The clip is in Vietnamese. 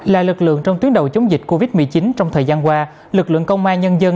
là lực lượng trong tuyến đầu chống dịch covid một mươi chín trong thời gian qua lực lượng công an nhân dân